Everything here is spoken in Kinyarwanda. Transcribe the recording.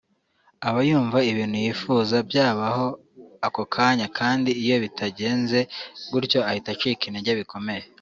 Aba yumva ibintu yifuza byabaho ako kanya kandi iyo bitagenze gutyo ahita acika intege bikomeye